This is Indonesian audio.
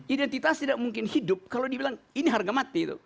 identitas tidak mungkin hidup kalau dibilang ini harga mati